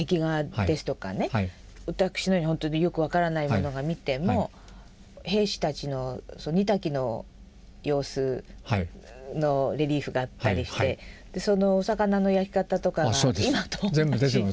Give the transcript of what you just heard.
私のように本当によく分からない者が見ても兵士たちの煮炊きの様子のレリーフがあったりしてそのお魚の焼き方とかが今と同じ。